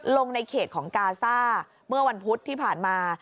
ในเขตของกาซ่าเมื่อวันพุธที่ผ่านมา